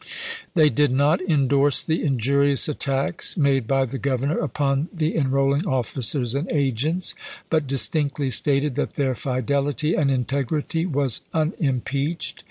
They did not indorse the injurious attacks made by the Governor upon the enrolling officers and agents, but distinctly stated that their fidelity and integrity was unimpeached.